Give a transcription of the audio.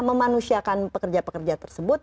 memanusiakan pekerja pekerja tersebut